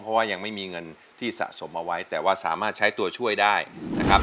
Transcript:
เพราะว่ายังไม่มีเงินที่สะสมเอาไว้แต่ว่าสามารถใช้ตัวช่วยได้นะครับ